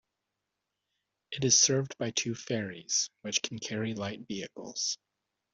It is served by two ferries, which can carry light vehicles.